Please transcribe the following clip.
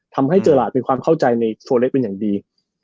ทำให้เจอหลาดมีความเข้าใจในโซเล็กเป็นอย่างดี